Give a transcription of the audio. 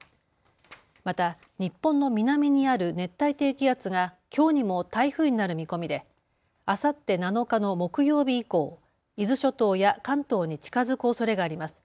また日本の南にある熱帯低気圧がきょうにも台風になる見込みであさって７日の木曜日以降、伊豆諸島や関東に近づくおそれがあります。